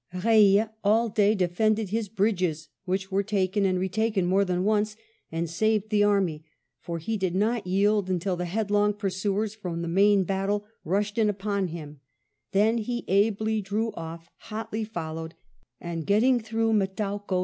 Eeille all day defended his bridges, which were taken and retaken more than once, and saved the army, for he did not yield until the leading pursuers from the main battle rushed in upon him ; then he ably drew off, hotly followed, and getting through Metauco i8o WELLINGTON chap.